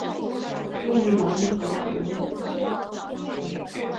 位于莱茵河谷之内。